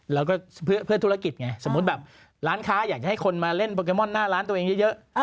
แล้วก็เพื่อธุรกิจไงสมมุติแบบร้านค้าอยากจะให้คนมาเล่นโปเกมอนหน้าร้านตัวเองเยอะ